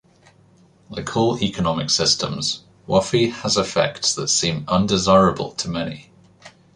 Like all economic systems, Whuffie has effects that seem undesirable to many.